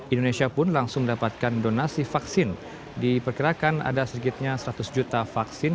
indonesia pun langsung mendapatkan donasi vaksin diperkirakan ada sedikitnya seratus juta vaksin